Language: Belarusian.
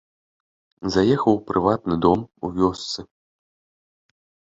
Заехаў у прыватны дом, у вёсцы.